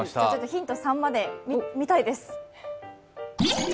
ヒント３まで見たいです。